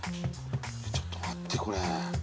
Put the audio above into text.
ちょっと待ってこれ。